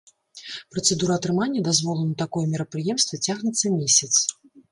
Працэдура атрымання дазволу на такое мерапрыемства цягнецца месяц.